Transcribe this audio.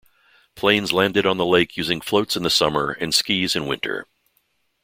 Planes landed on the lake using floats in the summer and skis in winter.